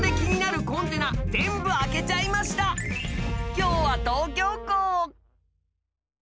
今日は東京港。